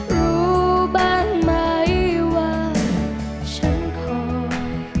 รู้บ้างไหมว่าฉันคง